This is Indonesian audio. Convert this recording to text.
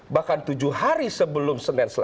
bahkan tujuh hari sebelum